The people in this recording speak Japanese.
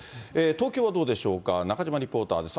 東京はどうでしょうか、中島リポーターです。